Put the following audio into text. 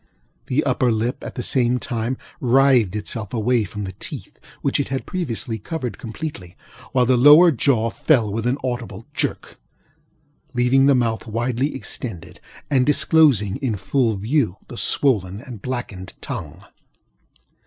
The upper lip, at the same time, writhed itself away from the teeth, which it had previously covered completely; while the lower jaw fell with an audible jerk, leaving the mouth widely extended, and disclosing in full view the swollen and blackened tongue.